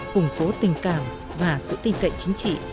củng cố tình cảm và sự tin cậy chính trị